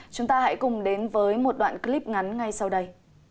chúng ta hãy cùng đến với một đoạn clip ngắn ngay sau đây